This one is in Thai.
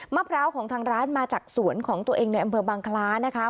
พร้าวของทางร้านมาจากสวนของตัวเองในอำเภอบางคล้านะคะ